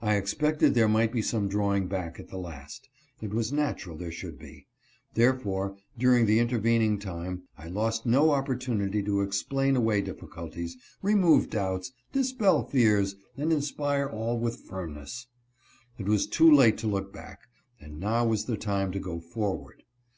I expected there might be some drawing back at the last ; it was natural there should be ; therefore, during the interven MATTER OF LIFE AND DEATH. 205 ing time, I lost no opportunity to explain away difficulties, remove doubts, dispel fears, and inspire all with firmness. It was too late to look back, and now was the time to go forward.